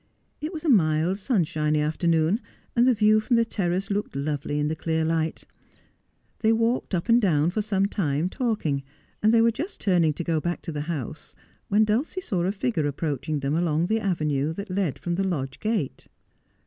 It was a mild, sunshiny afternoon, and the view from the terrace looked lovely in the clear light. They walked up and down for some time talking, and they were just turning to go back to the house when Dulcie saw a figure approaching them along the avenue that led from the lodge gate.